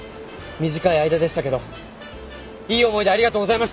短い間でしたけどいい思い出ありがとうございました！